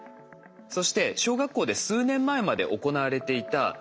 そして小学校で数年前まで行われていたぎょう虫検査。